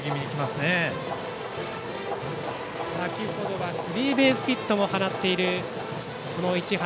先ほどはスリーベースヒットも放った市橋。